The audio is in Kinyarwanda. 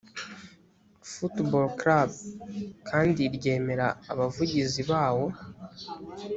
footblall club kandi ryemera abavugizi bawo